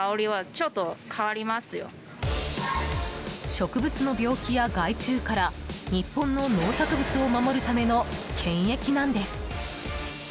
植物の病気や害虫から日本の農作物を守るための検疫なんです。